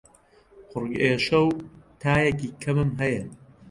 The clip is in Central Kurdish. قوڕگ ئێشە و تایەکی کەمم هەیە.